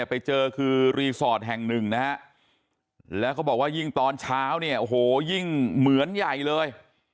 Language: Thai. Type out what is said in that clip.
ไปเจอคือรีสอร์ทแห่งหนึ่งนะฮะแล้วเขาบอกว่ายิ่งตอนเช้าเนี่ยโอ้โหยิ่งเหมือนใหญ่เลย